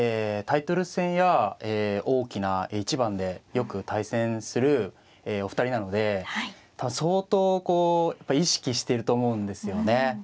タイトル戦や大きな一番でよく対戦するお二人なので相当意識していると思うんですよね。